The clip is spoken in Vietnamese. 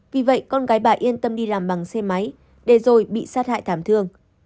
vì vậy con gái bà yên tâm đi làm bằng xe máy để rồi bị sát hại thảm thương